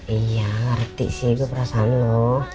iya ngerti sih gue perasaan lo